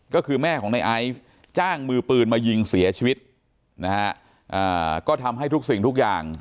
ก็คือแม่ของในไอซ์จ้างมือปืนมายิงเสียชีวิตนะฮะก็ทำให้ทุกสิ่งทุกอย่าง